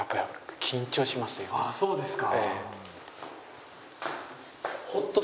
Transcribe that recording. そうですか。